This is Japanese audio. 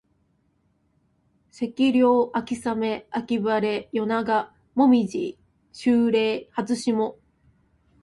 秋涼秋雨秋晴夜長紅葉秋麗初霜